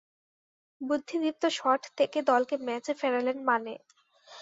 বুদ্ধিদীপ্ত শট থেকে দলকে ম্যাচে ফেরালেন মানে।